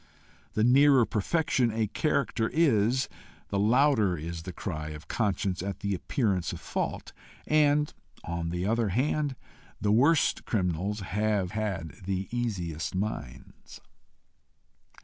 The nearer perfection a character is, the louder is the cry of conscience at the appearance of fault; and, on the other hand, the worst criminals have had the easiest minds.